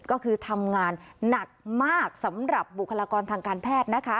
ก็คือทำงานหนักมากสำหรับบุคลากรทางการแพทย์นะคะ